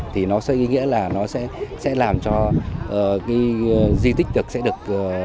thì nó sẽ ý nghĩa là nó sẽ làm cho cái di tích được sẽ được